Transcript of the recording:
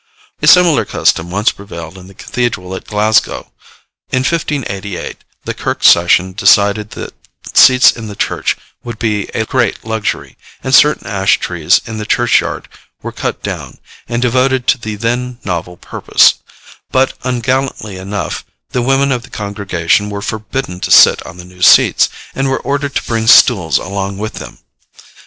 A similar custom once prevailed in the cathedral at Glasgow. In 1588 the kirk session decided that seats in the church would be a great luxury, and certain ash trees in the churchyard were cut down, and devoted to the then novel purpose; but ungallantly enough, the women of the congregation were forbidden to sit on the new seats, and were ordered to bring stools along with them.